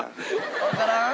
わからん？